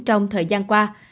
trong thời gian qua